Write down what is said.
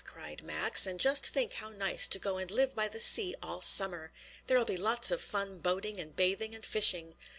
cried Max. "And just think how nice to go and live by the sea all summer! There'll be lots of fun boating and bathing and fishing!"